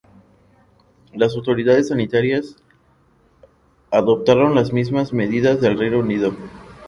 Las autoridades sanitarias adoptaron las mismas medidas del Reino Unido.